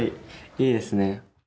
いいですね。